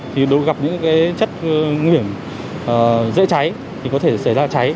thì đối gặp những cái chất nguy hiểm dễ cháy thì có thể xảy ra cháy